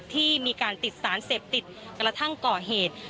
ที่มีการติดสารเสพติดกระทั่งก่อเหตุ